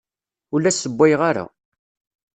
Ur la ssewwayeɣ ara.